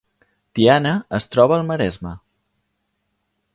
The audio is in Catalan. Tiana es troba al Maresme